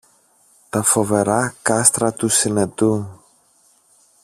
τα φοβερά κάστρα του Συνετού.